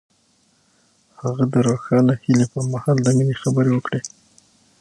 هغه د روښانه هیلې پر مهال د مینې خبرې وکړې.